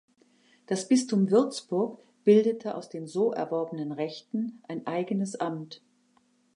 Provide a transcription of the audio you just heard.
Das Bistum Würzburg bildete aus den so erworbenen Rechten ein eigenes Amt.